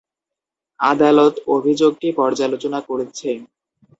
আদালত অভিযোগটি পর্যালোচনা করেছে।